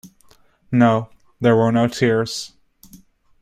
No, there were no tears.